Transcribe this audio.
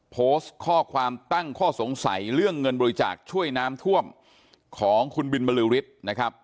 โพสต์ข้อความตั้งข้อสงสัยเรื่องเงินบริจาคช่วยน้ำท่วมของคุณบินบรือฤทธิ์นะครับ